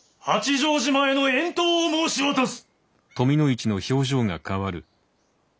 三宅島への遠島を申し渡す。